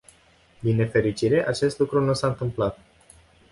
Din nefericire, acest lucru nu s-a întâmplat.